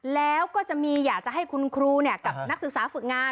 แล้วก็จะมีอยากจะให้คุณครูกับนักศึกษาฝึกงาน